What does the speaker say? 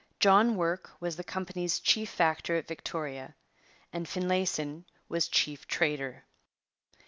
John Work was the company's chief factor at Victoria and Finlayson was chief trader.